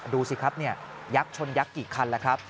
ดูสิครับเนี่ยยักษ์ชนยักษ์กี่คันละครับ